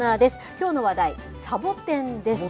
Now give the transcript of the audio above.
きょうの話題、サボテンです。